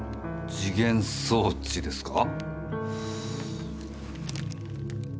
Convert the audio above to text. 時限装置ですか？